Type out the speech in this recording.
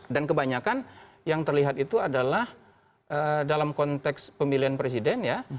dan kebanyakan yang terlihat itu adalah dalam konteks pemilihan presiden ya